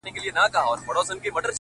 o له څه مودې راهيسي داسـي يـمـه،